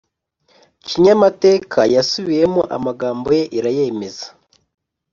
kinyamateka yasubiyemo amagambo ye, irayemeza,